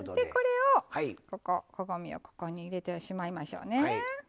これをこここごみをここに入れてしまいましょうね。